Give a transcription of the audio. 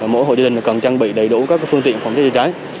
mỗi hộ gia đình cần trang bị đầy đủ các phương tiện phòng cháy chữa cháy